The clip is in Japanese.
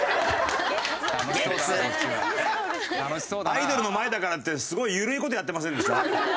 アイドルの前だからってすごい緩い事やってませんでした？